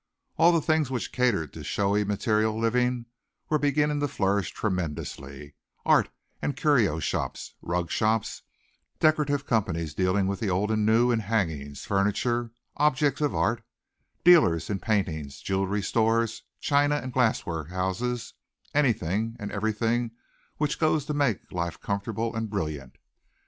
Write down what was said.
All the things which catered to showy material living were beginning to flourish tremendously, art and curio shops, rug shops, decorative companies dealing with the old and the new in hangings, furniture, objects of art; dealers in paintings, jewelry stores, china and glassware houses anything and everything which goes to make life comfortable and brilliant.